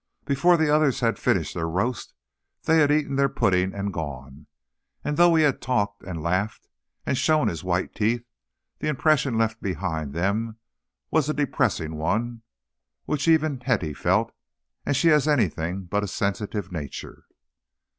Before the others had finished their roast they had eaten their pudding and gone; and though he had talked, and laughed, and shown his white teeth, the impression left behind them was a depressing one which even Hetty felt, and she has anything but a sensitive nature.